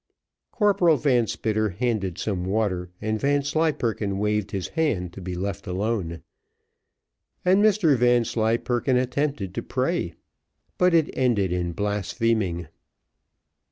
Corporal Van Spitter handed some water, and Vanslyperken waved his hand to be left alone; and Mr Vanslyperken attempted to pray, but it ended in blaspheming.